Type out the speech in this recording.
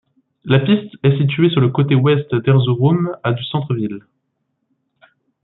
La piste est située sur le côté ouest d'Erzurum à du centre-ville.